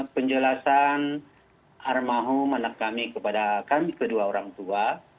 penjelasan armahum anak kami kepada kami kedua orang tua